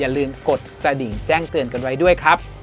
ลืมกดกระดิ่งแจ้งเตือนกันไว้ด้วยครับ